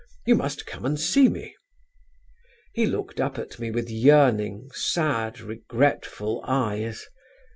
You must come and see me.' "He looked up at me with yearning, sad, regretful eyes.